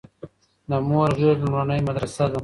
د مور غيږ لومړنۍ مدرسه ده